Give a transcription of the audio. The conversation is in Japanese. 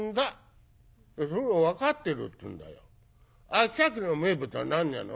秋田県の名物は何なの？」。